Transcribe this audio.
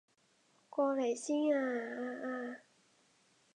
過嚟先啊啊啊